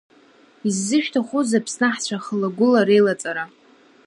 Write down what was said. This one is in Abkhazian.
Иззышәҭахузеи Аԥсны аҳцәа хылагәыла реилаҵара?